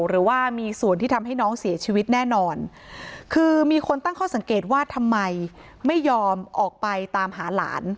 หรือว่ามีส่วนที่ทำให้น้องเสียชีวิตแน่นอนคือมีคนตั้งข้อสังเกตว่าทำไมไม่ยอมออกไปตามหาหลาน